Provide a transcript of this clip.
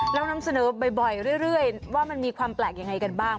เรานำเสนอบ่อยเรื่อยว่ามันมีความแปลกยังไงกันบ้าง